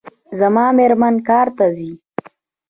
زما میرمن کار ته ځي